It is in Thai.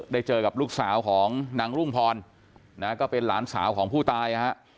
ได้เจอกับลูกสาวของนางรุ่งพรนะก็เป็นหลานสาวของผู้ตายนะฮะ